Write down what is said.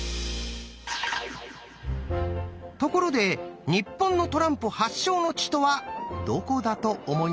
ところで日本のトランプ発祥の地とはどこだと思います？